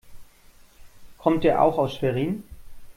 Kommt er auch aus Schwerin?